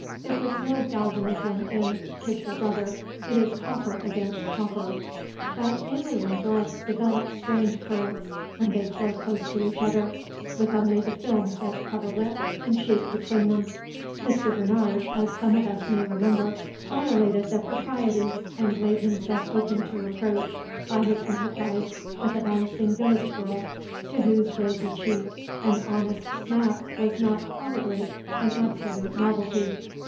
There is no galvanism in kiss your brother; it is copper against copper: but alien bloods develop strange currents, when they flow close to each other, with only the films that cover lip and cheek between them. Mr. Bernard, as some of us may remember, violated the proprieties and laid himself open to reproach by his enterprise with a bouncing village girl, to whose rosy cheek an honest smack was not probably an absolute novelty.